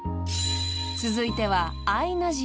［続いては］